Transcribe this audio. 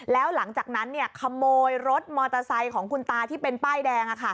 แล้วหลังจากนั้นขโมยรถมอเตอร์ไซค์ของคุณตาที่เป็นป้ายแดง